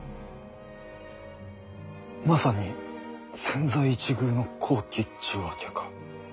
まさに千載一遇の好機っちゅうわけか。